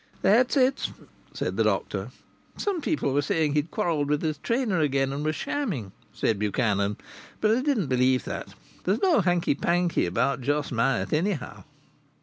"That's it," said the doctor. "Some people were saying he'd quarrelled with the trainer again and was shamming," said Buchanan. "But I didn't believe that. There's no hanky panky about Jos Myatt, anyhow."